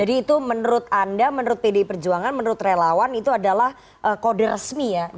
jadi itu menurut anda menurut pd perjuangan menurut relawan itu adalah kode resmi ya